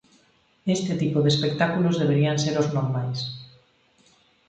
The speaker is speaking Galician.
Este tipo de espectáculos deberían ser os normais.